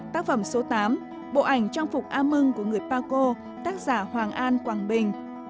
tác phẩm số tám bộ ảnh trang phục am mưng của người paco tác giả hoàng an quảng bình